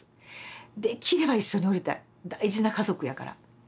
できれば一緒におりたい大事な家族やから。